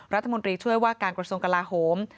รัฐมนตรีช่วยว่าการกระทรวงกลาโหม